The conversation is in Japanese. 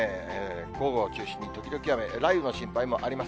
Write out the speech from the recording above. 午後を中心に時々雨、雷雨の心配もあります。